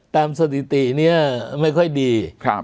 ตามสถิติเนี่ยไม่ค่อยดี